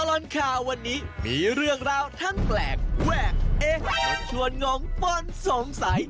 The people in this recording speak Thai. ตลอดข่าววันนี้มีเรื่องราวทั้งแปลกแวกเอ๊ะจะชวนงงป้นสงสัย